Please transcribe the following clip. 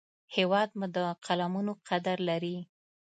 هیواد مې د قلمونو قدر لري